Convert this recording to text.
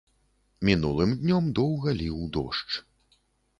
Мінулым днём доўга ліў дождж.